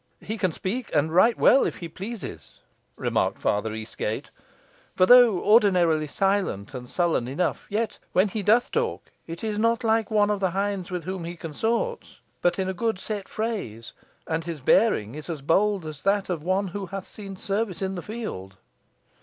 "He can speak, and right well if he pleases," remarked Father Eastgate; "for though ordinarily silent and sullen enough, yet when he doth talk it is not like one of the hinds with whom he consorts, but in good set phrase; and his bearing is as bold as that of one who hath seen service in the field."